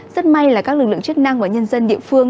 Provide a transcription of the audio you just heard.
rất may là các lực lượng chức năng và nhân dân địa phương